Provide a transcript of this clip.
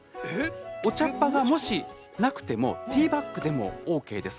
お茶っ葉がもしなくてもティーバッグでもＯＫです。